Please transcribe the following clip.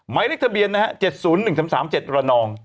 หมายเลขทะเบียนนะฮะ๗๐๑๓๓๗ระนอง